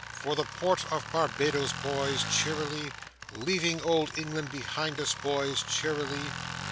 "For the Port of Barbados, Boys! Cheerily! Leaving old England behind us, Boys! Cheerily!"